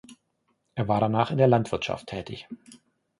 Er war danach in der Landwirtschaft tätig.